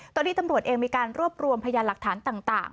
ตอนนี้ตำรวจเองมีการรวบรวมพยานหลักฐานต่าง